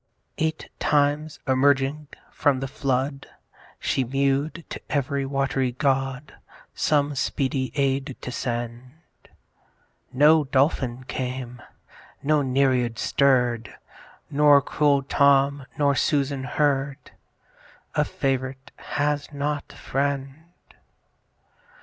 Eight times emerging from the flood She mew'd to ev'ry wat'ry god, Some speedy aid to send. No Dolphin came, no Nereid stirr'd: Nor cruel Tom, nor Susan heard. A Fav'rite has not friend!